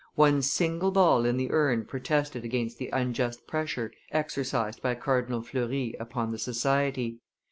one single ball in the urn protested against the unjust pressure exercised by Cardinal Fleury upon the society.